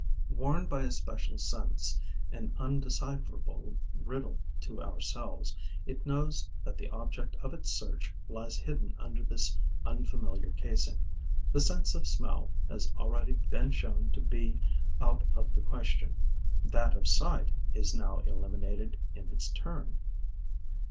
Warned by a special sense, an undecipherable riddle to ourselves, it knows that the object of its search lies hidden under this unfamiliar casing. The sense of smell has already been shown to be out of the question; that of sight is now eliminated in its turn.